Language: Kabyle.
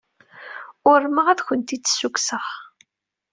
Urmeɣ ad kent-id-ssukkseɣ.